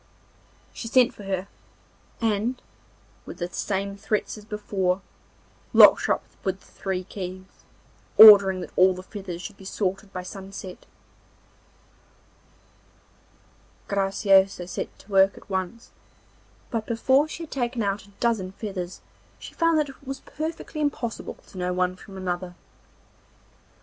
She sent for her, and with the same threats as before locked her up with the three keys, ordering that all the feathers should be sorted by sunset. Graciosa set to work at once, but before she had taken out a dozen feathers she found that it was perfectly impossible to know one from another.